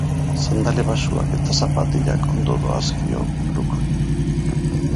Sandalia baxuak edo zapatilak ondo doazkio look honi.